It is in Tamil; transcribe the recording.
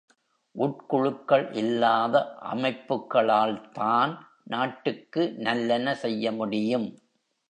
உட்குழுக்கள் இல்லாத அமைப்புக்களால் தான், நாட்டுக்கு நல்லன செய்யமுடியும்.